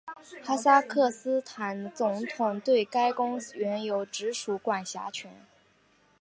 哈萨克斯坦总统对该公园有直属管辖权。